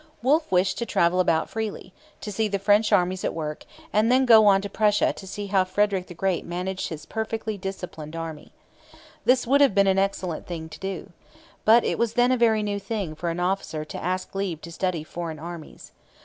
Wolfe wished to travel about freely, to see the French armies at work, and then to go on to Prussia to see how Frederick the Great managed his perfectly disciplined army. This would have been an excellent thing to do. But it was then a very new thing for an officer to ask leave to study foreign armies.